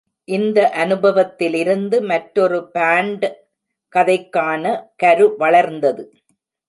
இந்த அனுபவத்திலிருந்து மற்றொரு பாண்ட் கதைக்கான கரு வளர்ந்தது.